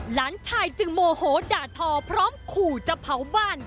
หลานชายจึงโมโหด่าทอพร้อมขู่จะเผาบ้าน